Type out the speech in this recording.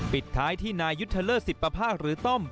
ปิดท้ายที่นายุทธเลิศ๑๐ประภาคหรือต้อม